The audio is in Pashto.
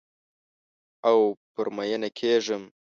او پر میینه کیږم